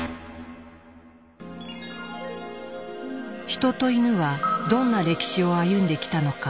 ヒトとイヌはどんな歴史を歩んできたのか。